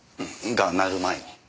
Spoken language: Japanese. が鳴る前に。